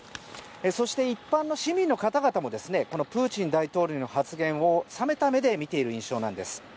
そして一般の市民の方々もこのプーチン大統領の発言を冷めた目で見ている印象なんです。